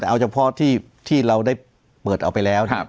แต่เอาเฉพาะที่เราได้เปิดเอาไปแล้ว